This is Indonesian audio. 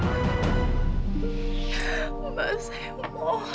kita tidak hanya murah